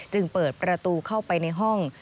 จึงเปิดประตูเข้าไปในห้อง